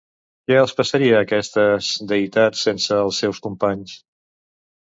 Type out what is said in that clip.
Què els passaria a aquestes deïtats sense els seus companys?